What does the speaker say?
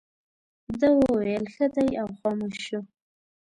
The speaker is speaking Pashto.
ده وویل ښه دی او خاموش شو.